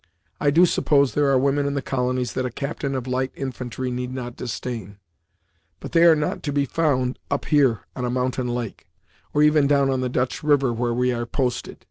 I do suppose there are women in the colonies that a captain of Light Infantry need not disdain; but they are not to be found up here, on a mountain lake; or even down on the Dutch river where we are posted.